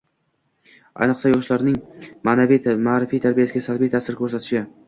ayniqsa, yoshlarning ma’naviy-ma’rifiy tarbiyasiga salbiy ta’sir ko’rsatishi